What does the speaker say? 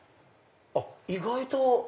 あっ意外と。